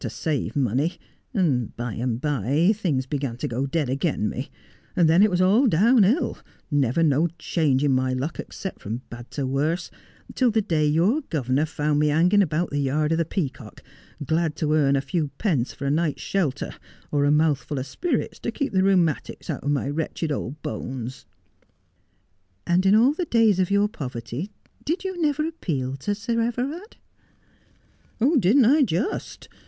to save money, and by and by things began to go dead again me ; and then it was all down hill — never no change in my luck except from bad to worse — till the day your governor found me hanging about the yard of the Peacock, glad to earn a few pence for a night's shelter, or a mouthful of spirits to keep the rheu matics out of my wretched old bones.' ' And in all the days of your poverty did you never appeal to Sir Everard 1 '' Didn't I, just